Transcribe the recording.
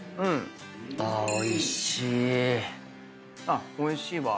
あっおいしいわ。